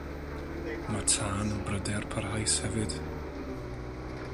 Mae tân yn bryder parhaus hefyd.